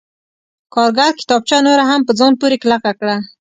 کارګر کتابچه نوره هم په ځان پورې کلکه کړه